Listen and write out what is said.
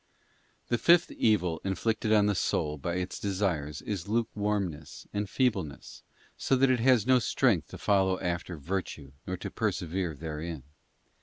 Tue fifth evil inflicted on the soul by its desires is lukewarm ness and feebleness, so that it has no strength to follow after virtue nor to persevere therein.